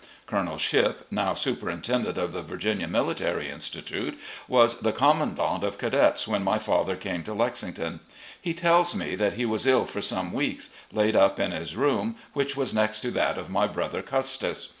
Colonel Shipp, now superintendent of the Virginia Military Institute, was the commandant of cadets when my father came to Lexing ton. He tells me that he was ill for some weeks, laid up in his room, which was next to that of my brother Custis.